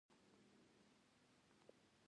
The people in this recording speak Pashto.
د ژوند ټوله مشغولا يې عبادت او د قران تلاوت و.